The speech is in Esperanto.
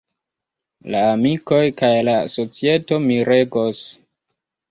La amikoj kaj la societo miregos.